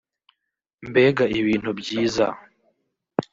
"Mbega ibintu byiza